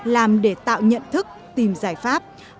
làm để tạo nhận thức tìm giải pháp